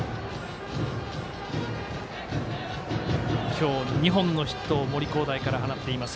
今日２本のヒットを森煌誠から放っています